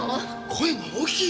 声が大きい！